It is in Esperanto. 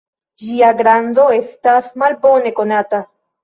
Ĝia grando estas malbone konata.